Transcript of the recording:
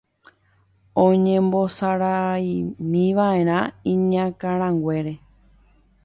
oñembosaráimiva'erã iñakãraguére